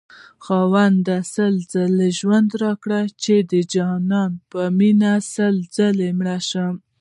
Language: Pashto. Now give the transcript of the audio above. خاونده سل ځله ژوند راكړې چې دجانان په مينه سل ځله مړشمه